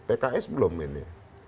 pks belum ini